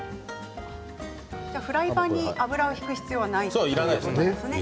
フライパンに油を引く必要はないということですね。